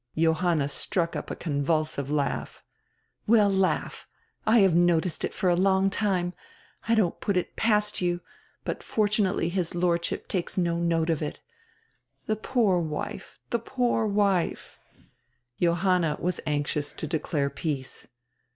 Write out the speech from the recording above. Johanna struck up a convulsive laugh. "Well, laugh. I have noticed it for a long time. I don't put it past you, but fortunately his Lordship takes no note of it. The poor wife, die poor wife!" Johanna was anxious to declare peace.